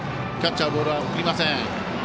キャッチャーボールは送りません。